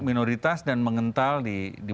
minoritas dan mengental di